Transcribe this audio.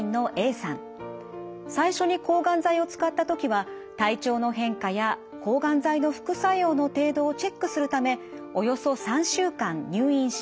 最初に抗がん剤を使った時は体調の変化や抗がん剤の副作用の程度をチェックするためおよそ３週間入院しました。